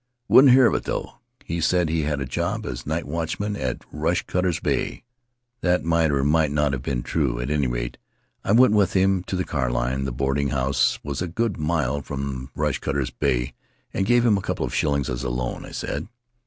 Wouldn't hear of it, though. He said he had a job as night watchman at Rush cutters' Bay. That might or might not have been true. At any rate, I went with him to the car line — the boarding house was a good mile from Rush cutters' Bay — and gave him a couple of shillings, as a loan, I said.